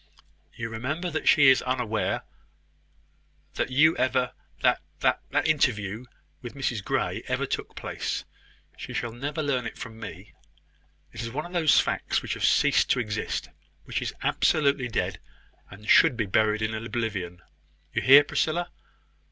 "You remember that she is unaware " "That you ever that that interview with Mrs Grey ever took place? She shall never learn it from me. It is one of those facts which have ceased to exist which is absolutely dead, and should be buried in oblivion. You hear, Priscilla?"